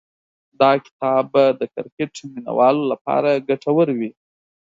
دا کتاب به د کرکټ مینه والو لپاره ګټور وي.